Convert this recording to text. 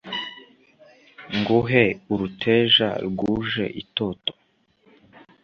nguhe uruteja rwuje itoto ;